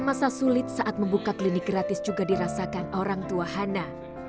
masa sulit saat membuka klinik gratis juga dirasakan orang tua hana